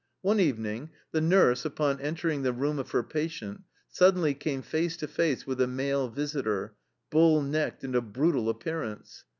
One evening, the nurse, upon entering the room of her patient, suddenly came face to face with a male visitor, bull necked and of brutal appearance.